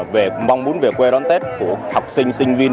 về mong muốn về quê đón tết của học sinh sinh viên